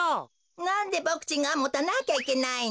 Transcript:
なんでボクちんがもたなきゃいけないの？